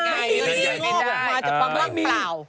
เงินที่ได้มาจะเป็นบ้างเปล่า